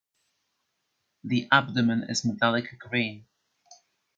The abdomen is metallic green.